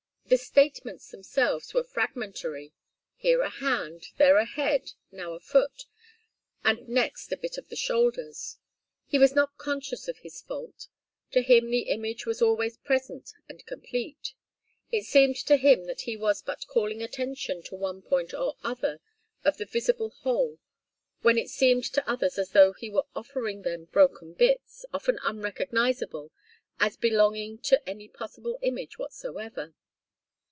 The statements themselves were fragmentary: here a hand, there a head, now a foot, and next a bit of the shoulders. He was not conscious of his fault. To him the image was always present and complete. It seemed to him that he was but calling attention to one point or another of the visible whole, when it seemed to others as though he were offering them broken bits, often unrecognizable as belonging to any possible image whatsoever.